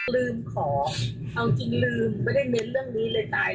ลืมขอเอาจริงลืมไม่ได้เน้นเรื่องนี้เลยตาย